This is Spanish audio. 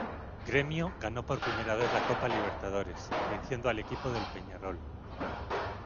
Grêmio ganó por primera vez la Copa Libertadores, venciendo al equipo del Peñarol.